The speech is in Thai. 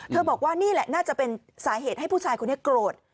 บอกว่านี่แหละน่าจะเป็นสาเหตุให้ผู้ชายคนนี้โกรธ